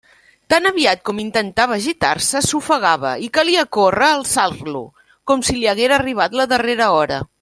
Tan aviat com intentava gitar-se s'ofegava, i calia córrer a alçar-ho, com si li haguera arribat la darrera hora.